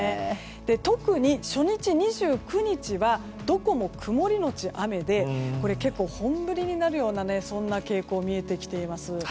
特に初日２９日はどこも曇りのち雨で結構、本降りになるような傾向が見えてきています。